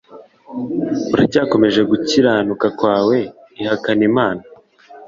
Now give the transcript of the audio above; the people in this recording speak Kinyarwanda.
Uracyakomeje gukiranuka kwawe ihakane imana